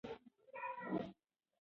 پاڼه غواړې چې خپل حق وغواړي.